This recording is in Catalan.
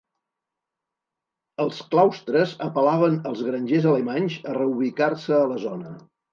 Els claustres apel·laven als grangers alemanys a reubicar-se a la zona.